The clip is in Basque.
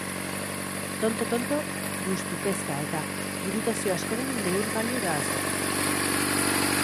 Tonto-tonto, gustu, kezka eta burutazio askoren neurgailu da azoka.